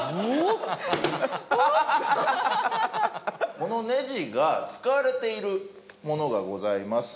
このネジが使われているものがございます。